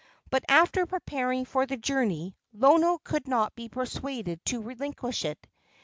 But, after preparing for the journey, Lono could not be persuaded to relinquish it.